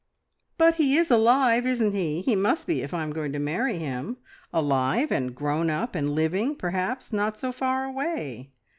"But he is alive, isn't he? He must be, if I'm going to marry him. Alive, and grown up, and living, perhaps, not so far away.